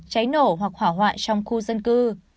cháy nổ hoặc hỏa hoại trong khu dân cư